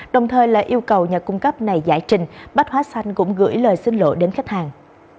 đồng thời là yêu cầu nhà cung cấp này giải trình bách hóa xanh cũng gửi lời xin lỗi đến khách hàng